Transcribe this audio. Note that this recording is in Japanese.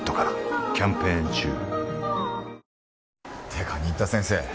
てか新田先生